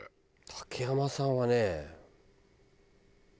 竹山さんはね。